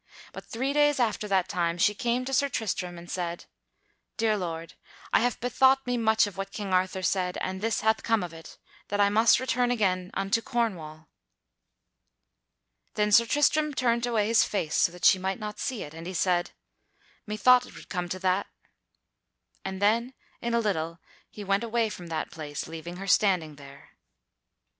But three days after that time she came to Sir Tristram and said: "Dear lord, I have bethought me much of what King Arthur said, and this hath come of it, that I must return again unto Cornwall." Then Sir Tristram turned away his face so that she might not see it, and he said, "Methought it would come to that." And then in a little he went away from that place, leaving her standing there.